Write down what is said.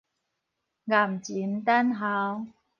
儑蟳等鱟